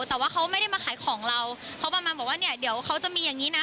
แต่ว่าเขาไม่ได้มาขายของเราเขาประมาณบอกว่าเนี่ยเดี๋ยวเขาจะมีอย่างนี้นะ